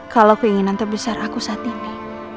kalau keinginan terbesar aku saat ini